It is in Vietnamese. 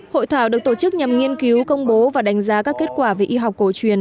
hội thảo được tổ chức nhằm nghiên cứu công bố và đánh giá các kết quả về y học cổ truyền